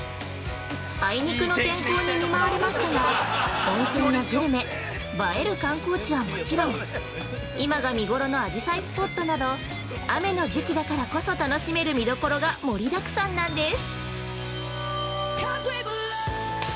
あいにくの天候に見舞われましたが、温泉やグルメ、映える観光地はもちろん、今が見ごろのあじさいスポットなど、雨の時期だからこそ楽しめる見どころが盛りだくさんなんです。